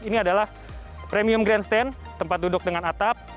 ini adalah premium grandstand tempat duduk dengan atap